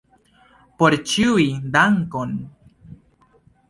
Por ĉiuj, dankon!